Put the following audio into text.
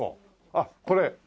あっこれ？